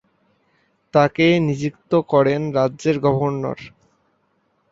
তাকে নিযুক্ত করেন রাজ্যের গভর্নর।